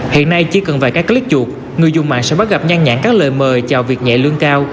hiện nay chỉ cần vài cái clip chuột người dùng mạng sẽ bắt gặp nhanh nhãn các lời mời chào việc nhẹ lương cao